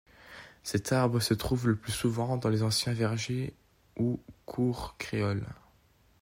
Cet arbre se trouve le plus souvent dans les anciens vergers ou cours créoles.